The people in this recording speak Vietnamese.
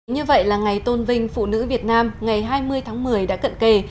như vậy là ngày tôn vinh phụ nữ việt nam ngày hai mươi tháng một mươi đã cận kề